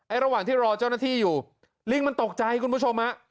ระหว่างที่รอเจ้าหน้าที่อยู่ลิงมันตกใจคุณผู้ชมฮะ